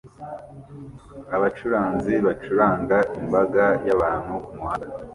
Abacuranzi bacuranga imbaga y'abantu kumuhanda